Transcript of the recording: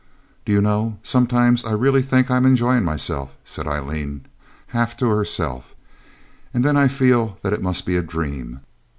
'Do you know, sometimes I really think I am enjoying myself,' said Aileen, half to herself, 'and then I feel that it must be a dream.